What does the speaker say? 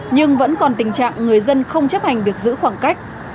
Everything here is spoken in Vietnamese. nhưng vẫn còn tình trạng người dân không chấp hành việc giữ khoảng cách